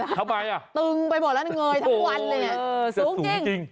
ทำไมอ่ะตึงไปหมดแล้วเงยทั้งวันเลยสูงจริง